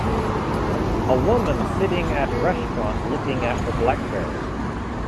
A woman sitting at restaurant looking at her blackberry.